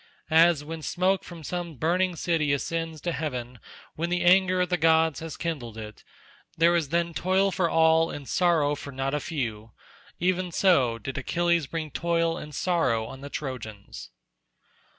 As when the smoke from some burning city ascends to heaven when the anger of the gods has kindled it—there is then toil for all, and sorrow for not a few—even so did Achilles bring toil and sorrow on the Trojans.